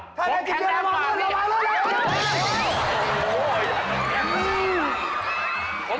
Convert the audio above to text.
ผมแข็งแรงกว่าผมแข็งแรงกว่านี่โอ้โฮอย่าแข็งแรง